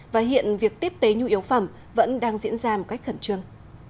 và hiện việc tiếp tế nhu yếu phẩm vẫn đang diễn ra một cách khẩn trương